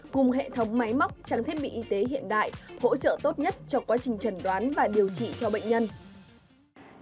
cùng hệ thống máy móc trang thiết bị y tế hiện đại hỗ trợ tốt nhất cho quá trình trần đoán và điều trị cho bệnh nhân